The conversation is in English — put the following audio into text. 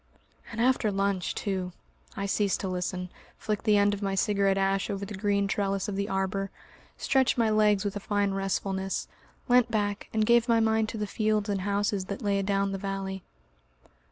..." And after lunch too! I ceased to listen, flicked the end of my cigarette ash over the green trellis of the arbour, stretched my legs with a fine restfulness, leant back, and gave my mind to the fields and houses that lay adown the valley.